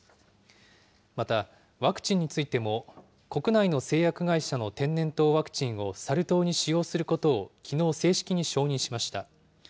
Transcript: また、ワクチンについても、国内の製薬会社の天然痘ワクチンを、サル痘に使用することをきのう、正式に承認しました。